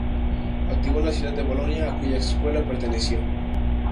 Activo en la ciudad de Bolonia, a cuya escuela perteneció.